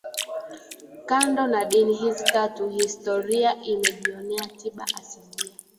Kando na dini hizi tatu historia imejionea tiba asilia